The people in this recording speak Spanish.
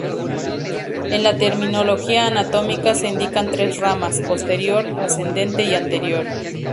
En la Terminología Anatómica se indican tres ramas: posterior, ascendente y anterior.